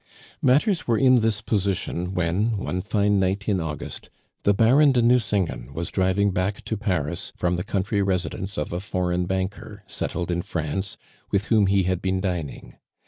Matters were in this position when, one fine night in August, the Baron de Nucingen was driving back to Paris from the country residence of a foreign banker, settled in France, with whom he had been dining.